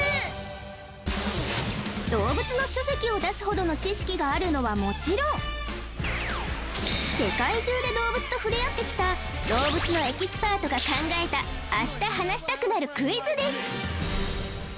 動物の書籍を出すほどの知識があるのはもちろん世界中で動物と触れ合ってきた動物のエキスパートが考えた明日話したくなるクイズです